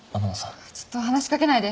ちょっと話し掛けないで。